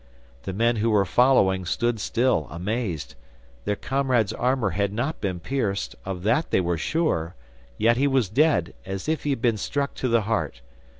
The men who were following stood still, amazed. Their comrade's armour had not been pierced, of that they were sure, yet he was dead, as if he had been struck to the heart.